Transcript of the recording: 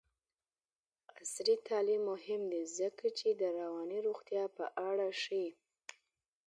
عصري تعلیم مهم دی ځکه چې د رواني روغتیا په اړه ښيي.